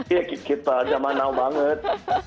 iya kita zaman now banget